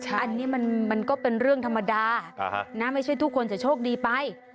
อันนี้มันก็เป็นเรื่องธรรมดาไม่ใช่ทุกคนจะโชคดีไป